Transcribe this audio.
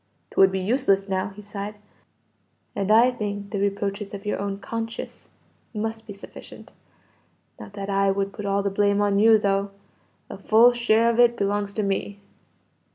"'Twould be useless now," he sighed, "and I think the reproaches of your own conscience must be sufficient. Not that I would put all the blame on you, though. A full share of it belongs to me."